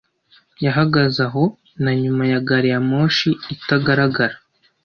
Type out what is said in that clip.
Yahagaze aho na nyuma ya gari ya moshi itagaragara.